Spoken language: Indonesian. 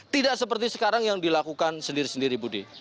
tidak seperti sekarang yang dilakukan sendiri sendiri budi